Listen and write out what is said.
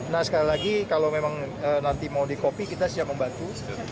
nah sekali lagi kalau memang nanti mau di kopi kita siap membantu